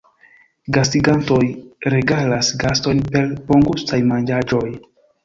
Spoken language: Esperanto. Gastigantoj regalas gastojn per bongustaj manĝaĵoj.